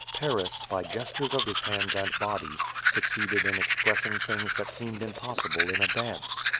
Paris, by gestures of his hands and body, succeeded in expressing things that seemed impossible in a dance.